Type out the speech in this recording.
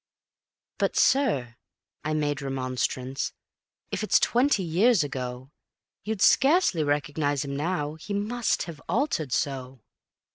"But, sir," I made remonstrance, "if it's twenty years ago, You'd scarcely recognize him now, he must have altered so."